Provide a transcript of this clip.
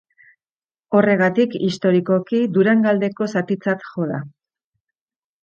Horregatik, historikoki Durangaldeko zatitzat jo da.